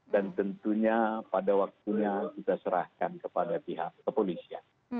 dan tentunya pada waktunya kita serahkan kepada pihak kepolisian